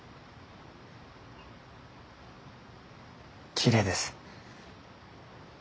きれいです。